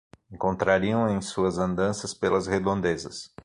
Encontrariam em suas andanças pelas redondezas